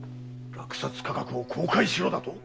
落札価格を公開しろだと？